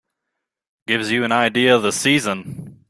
Gives you an idea of the season.